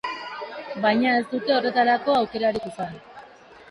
Baina ez dute horretarako aukerarik izan.